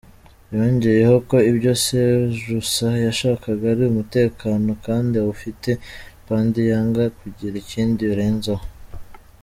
Yongeyeho ko ibyo Sejusa yashakaga ari umutekano kandi awufite, Paddy yanga kugira ikindi arenzaho.